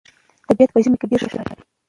طبیعت په ژمي کې ډېر ښکلی ښکاري.